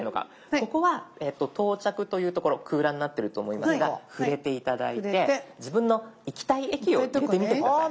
ここは「到着」という所空欄になってると思いますが触れて頂いて自分の行きたい駅を入れてみて下さい。